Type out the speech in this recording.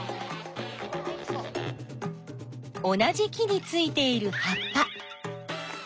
同じ木についているはっぱ。